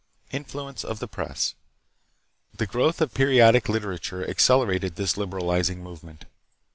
Influence of the Press. The growth of periodic liter ature accelerated this liberalizing movement.